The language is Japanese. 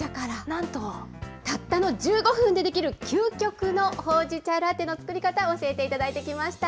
なんと、たったの１５分でできる究極のほうじ茶ラテの作り方、教えていただいてきました。